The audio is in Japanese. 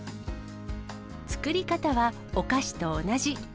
作り方はお菓子と同じ。